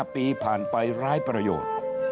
ปีผ่านไปร้ายประโยชน์